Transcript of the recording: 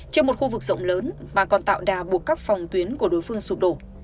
trên một khu vực rộng lớn bà còn tạo đà buộc các phòng tuyến của đối phương sụp đổ